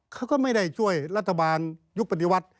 เขาก็ไม่ได้ช่วยรัฐบาลยุคปฏิวัติ